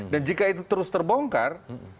dan jika itu terus terbongkar